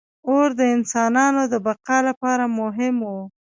• اور د انسانانو د بقا لپاره مهم و.